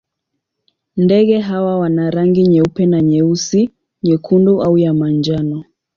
Ndege hawa wana rangi nyeupe na nyeusi, nyekundu au ya manjano.